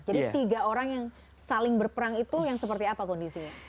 jadi tiga orang yang saling berperang itu yang seperti apa kondisinya